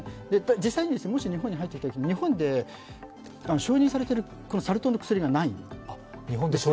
実際にもし日本に入ってきたとき、日本で承認されているサル痘の薬がないんです。